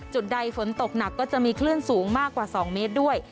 จุดใดฝนตกหนักก็จะมีคลื่นสูงมากกว่า๒เมตรด้วย